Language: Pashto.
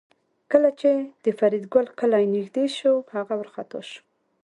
کله چې د فریدګل کلی نږدې شو هغه وارخطا و